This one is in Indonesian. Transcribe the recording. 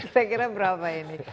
saya kira berapa ini